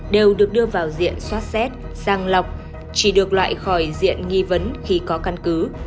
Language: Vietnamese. đều được đưa vào diện xoát xét sang lọc chỉ được loại khỏi diện nghi vấn khi có căn cứ